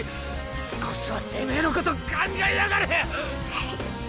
少しはてめぇのこと考えやがれ！へへっ。